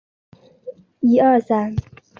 高州会馆的历史年代为清代。